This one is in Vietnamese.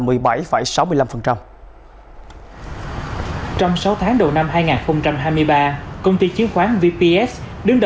trong sáu tháng đầu năm hai nghìn hai mươi ba công ty chứng khoán vps đứng đầu